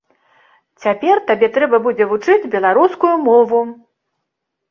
Цяпер табе трэба будзе вучыць беларускую мову!